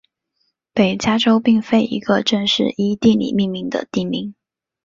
北加州并非一个正式依地理命名的地名。